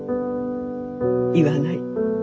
言わない。